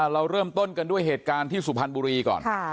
เราเริ่มต้นกันด้วยเหตุการณ์ที่สุพรรณบุรีก่อน